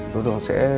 đối tượng sẽ